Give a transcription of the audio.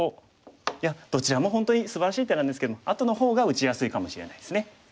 いやどちらも本当にすばらしい手なんですけれどもあとの方が打ちやすいかもしれないですね。